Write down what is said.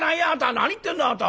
何言ってんだあなた！